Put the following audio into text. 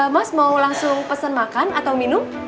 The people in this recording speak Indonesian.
mas mau langsung pesen makan atau minum